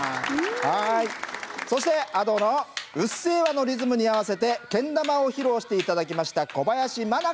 そしてＡｄｏの「うっせぇわ」のリズムに合わせてけん玉を披露して頂きました小林愛花さん。